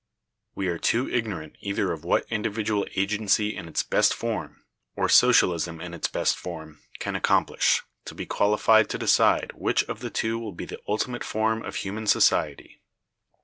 We are too ignorant either of what individual agency in its best form, or socialism in its best form, can accomplish, to be qualified to decide which of the two will be the ultimate form of human society.